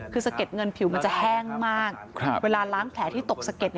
คือสะเด็ดเงินผิวมันจะแห้งมากเวลาล้างแผลที่ตกสะเก็ด